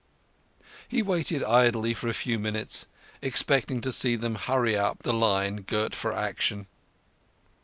He waited idly for a few minutes, expecting to see them hurry up the line girt for action.